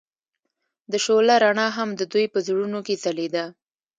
د شعله رڼا هم د دوی په زړونو کې ځلېده.